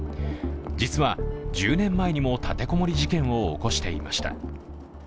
実は１０年前にも立て籠もり事件を起こしていました。